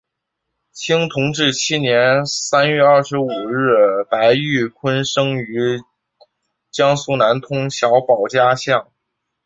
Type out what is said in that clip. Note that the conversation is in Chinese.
清同治七年三月二十五日白毓昆生于江苏南通小保家巷。